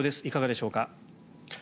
いかがでしょうか。